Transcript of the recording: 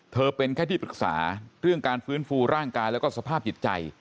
เป็นแค่ที่ปรึกษาเรื่องการฟื้นฟูร่างกายแล้วก็สภาพจิตใจ